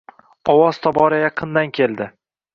Ovoz tobora yaqindan keldi.